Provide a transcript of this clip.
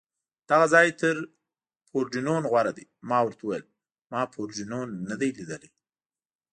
دغه ځای تر پورډېنون غوره دی، ما ورته وویل: ما پورډېنون نه دی لیدلی.